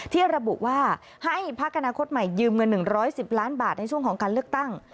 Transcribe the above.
ที่ระบุว่าให้พักอนาคตใหม่ยืมเงิน๑๑๐ล้านบาทในช่วงของการเลือกตั้ง